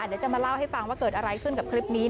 เดี๋ยวจะมาเล่าให้ฟังว่าเกิดอะไรขึ้นกับคลิปนี้